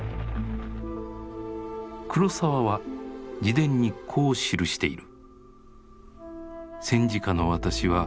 黒澤は自伝にこう記している。